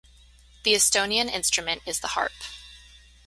The Estonian instrument is the harp.